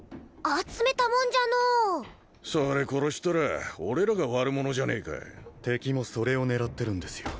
集めたもんじゃのうそれ殺したら俺らが悪者じゃねえか敵もそれを狙ってるんですよ